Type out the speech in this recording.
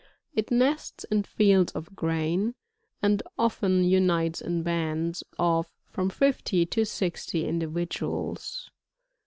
It nests in fields of grain, and often unites in bands of from fifty to sixty individuals.